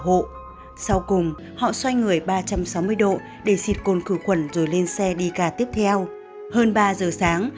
hộ sau cùng họ xoay người ba trăm sáu mươi độ để xịt cồn khử khuẩn rồi lên xe đi ca tiếp theo hơn ba giờ sáng